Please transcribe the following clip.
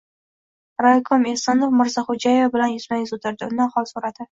Raykom Esonov Mirzaxo‘jaeva bilan yuzma-yuz o‘tirdi. Undan hol so‘radi.